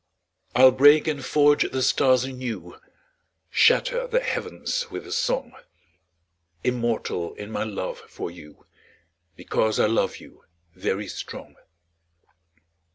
I'll break and forge the stars anew, Shatter the heavens with a song; Immortal in my love for you, Because I love you, very strong.